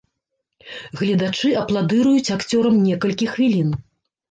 Гледачы апладыруюць акцёрам некалькі хвілін.